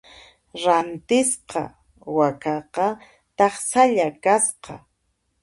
Rantisqa wakaqa taksalla kasqa.